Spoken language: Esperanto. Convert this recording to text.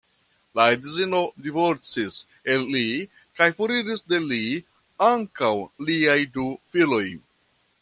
La edzino divorcis el li kaj foriris de li ankaŭ liaj du filoj.